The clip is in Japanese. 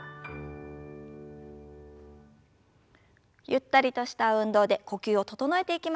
ゆったりとした運動で呼吸を整えていきましょう。